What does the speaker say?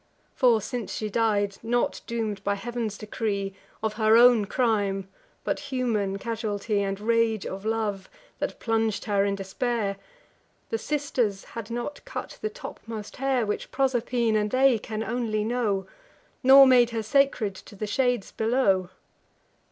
For since she died, not doom'd by Heav'n's decree, Or her own crime, but human casualty, And rage of love, that plung'd her in despair, The Sisters had not cut the topmost hair, Which Proserpine and they can only know; Nor made her sacred to the shades below.